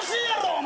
お前。